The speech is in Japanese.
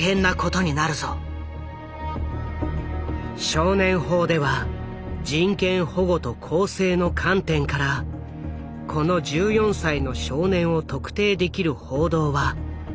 少年法では人権保護と更生の観点からこの１４歳の少年を特定できる報道は禁止されている。